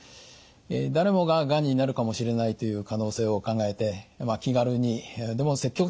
誰もががんになるかもしれないという可能性を考えて気軽にでも積極的にですね